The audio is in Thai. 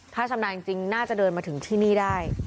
ถ้าชำนาญจริงน่าจะเดินมาถึงที่นี่ได้